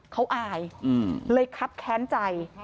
เขาอายเลยครับแค้นใจ